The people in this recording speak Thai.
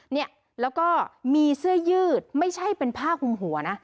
เนี่ยแล้วก็มีเสื้อยืดไม่ใช่เป็นผ้าคุมหัวนะ